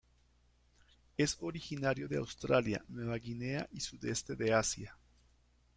Es originario de Australia, Nueva Guinea y sudeste de Asia.